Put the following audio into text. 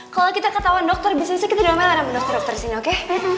kalo kita ketahuan dokter bisnisnya kita diomelin sama dokter dokter disini oke